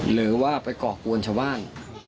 หรือว่าไปก่อกวนชาวบ้าน